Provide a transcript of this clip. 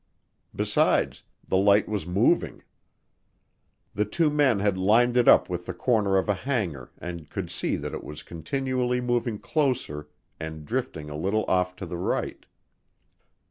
Besides, the light was moving. The two men had lined it up with the corner of a hangar and could see that it was continually moving closer and drifting a little off to the right.